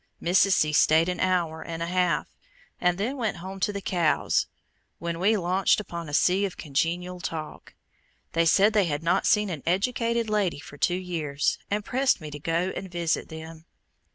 Mrs. C. stayed an hour and a half, and then went home to the cows, when we launched upon a sea of congenial talk. They said they had not seen an educated lady for two years, and pressed me to go and visit them.